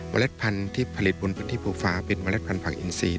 เล็ดพันธุ์ที่ผลิตบนพื้นที่ภูฟ้าเป็นเมล็ดพันธุอินซี